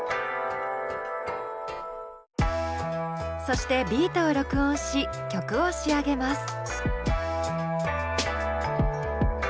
そしてビートを録音し曲を仕上げます。